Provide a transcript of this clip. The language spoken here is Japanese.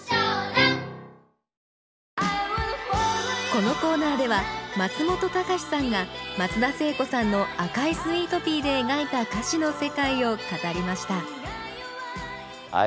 このコーナーでは松本隆さんが松田聖子さんの「赤いスイートピー」で描いた歌詞の世界を語りました